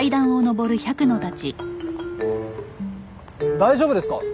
大丈夫ですか？